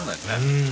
うん。